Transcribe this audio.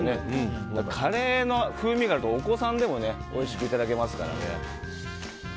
カレーの風味があるとお子さんでもおいしくいただけますからね。